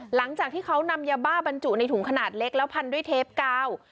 หลังจากที่เขานำยาบ้าบรรจุในถุงขนาดเล็กแล้วพันด้วยเทปกาว